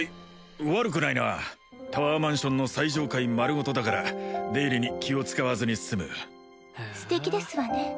悪くないなタワーマンションの最上階丸ごとだから出入りに気を使わずに済むへえステキですわね